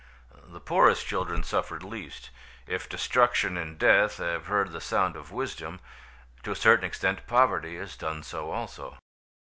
The poorest children suffered least—if destruction and death have heard the sound of wisdom, to a certain extent poverty has done so also.